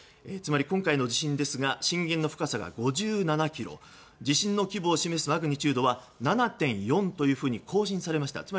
つまり今回の地震ですが震源の深さは５７ｋｍ地震の規模を示すマグニチュードは７．４と更新されました。